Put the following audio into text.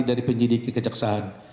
dari penjidik kekejaksaan